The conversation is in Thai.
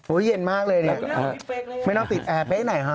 โอ๊ยเย็นมากเลยนี่ไม่น่าติดแอร์เพคไหนฮะ